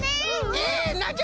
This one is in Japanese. えなんじゃ？